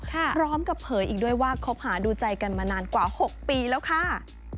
พร้อมกับเผยอีกด้วยว่าคบหาดูใจกันมานานกว่า๖ปีแล้วค่ะ